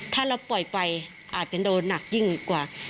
ถ้าเราปล่อยไปอาจจะโดนหนักยิ่งกว่า